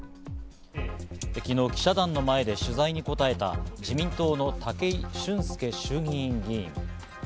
昨日、記者団の前で取材に答えた、自民党の武井俊輔衆議院議員。